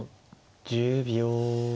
１０秒。